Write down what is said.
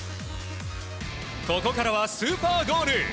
ここからはスーパーゴール。